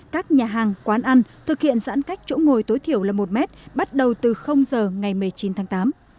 các nhà hàng quán ăn thực hiện giãn cách chỗ ngồi tối thiểu là một mét bắt đầu từ giờ ngày một mươi chín tháng tám